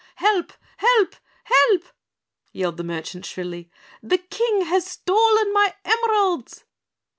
Help! help! help!" yelled the merchant shrilly. "The King has stolen my emeralds."